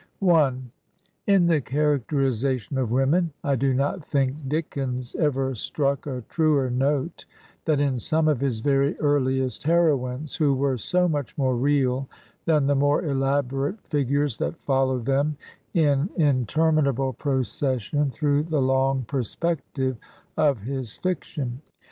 In the characterization of women I do not think Dickens ever struck a truer note than in some of his very earliest heroines, who were so much more real than the more elaborate figures that follow them in interminable procession through the long perspective of his fiction.